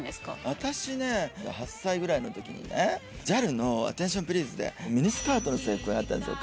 私ね８歳ぐらいの時にねＪＡＬの「アテンションプリーズ」でミニスカートの制服がはやったんですよ